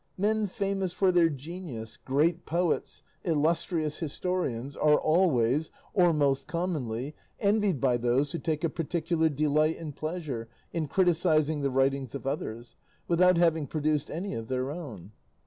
Men famous for their genius, great poets, illustrious historians, are always, or most commonly, envied by those who take a particular delight and pleasure in criticising the writings of others, without having produced any of their own."